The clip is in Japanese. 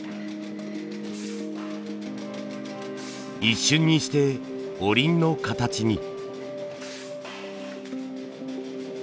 一瞬にしておりんの形に。